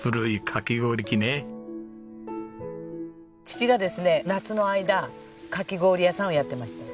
父がですね夏の間かき氷屋さんをやってました。